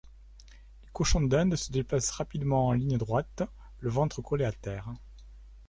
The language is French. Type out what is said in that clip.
Les cochons d'Inde se déplacent rapidement en ligne droite, le ventre collé à terre.